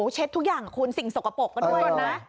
เช็ดทุกอย่างคุณสิ่งสกปรกกันด้วยนะ